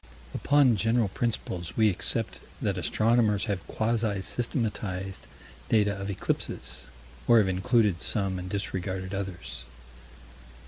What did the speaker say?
Upon general principles we accept that astronomers have quasi systematized data of eclipses or have included some and disregarded others.